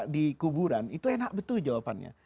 di kuburan itu enak betul jawabannya